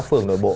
phường nội bộ